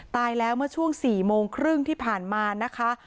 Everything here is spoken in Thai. ตายแล้วเมื่อช่วง๔โมงครึ่งที่ผ่านมานะคะ